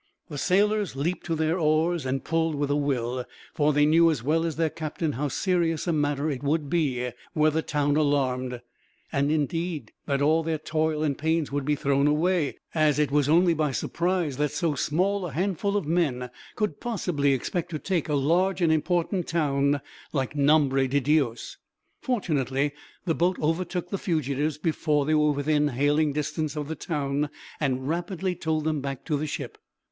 The sailors leapt to the oars, and pulled with a will, for they knew as well as their captain how serious a matter it would be, were the town alarmed; and indeed, that all their toil and pains would be thrown away, as it was only by surprise that so small a handful of men could possibly expect to take a large and important town like Nombre de Dios. Fortunately the boat overtook the fugitives before they were within hailing distance of the town, and rapidly towed them back to the ship.